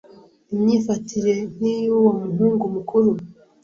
imyifatire nk’iy’uwo muhungu mukuru,